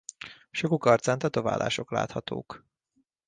Sokuk arcán tetoválások láthatók.